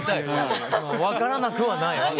まあ分からなくはない。